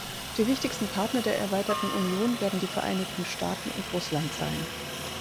Die wichtigsten Partner der erweiterten Union werden die Vereinigten Staaten und Russland sein.